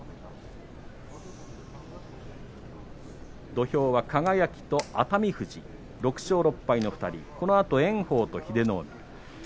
土俵は輝と熱海富士６勝６敗の２人、このあと炎鵬と英乃海。